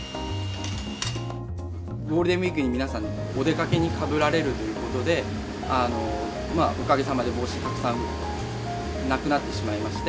ゴールデンウィークに皆さん、お出かけにかぶられるということで、おかげさまで帽子たくさん、なくなってしまいまして。